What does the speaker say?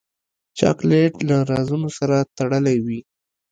چاکلېټ له رازونو سره تړلی وي.